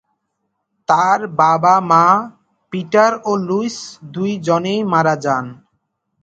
তার বাবা-মা, পিটার ও লুইস, দুজনেই মারা যান।